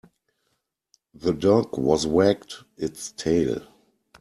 The dog was wagged its tail.